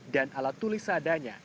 dan alat tulis seadanya